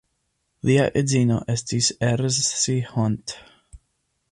Lia edzino estis Erzsi Hont.